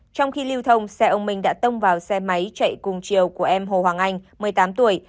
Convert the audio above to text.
trong khi lưu thông xe ông minh đã tông vào xe máy chạy cùng chiều của em hồ hoàng anh một mươi tám tuổi